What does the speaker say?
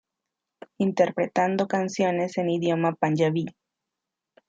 Interpretando canciones en idioma panyabí.